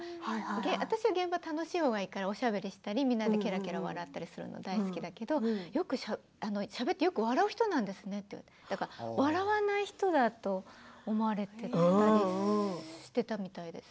私、現場は楽しいほうがいいからおしゃべりしたりみんなで、けらけら笑ったりするのが好きなんだけれどもよくしゃべって笑う人なんですねってだから笑わない人だと思われていたりしてたみたいです。